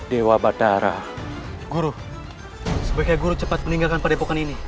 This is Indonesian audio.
dia tak datang baru hari ini